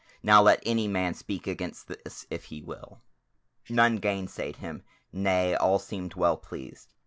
Now let any man speak against this if he will." None gainsaid him; nay, all seemed well pleased.